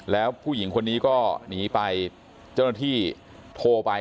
แล้วผู้หญิงคนนี้ก็หนีไปเจ้าหน้าที่โทรไป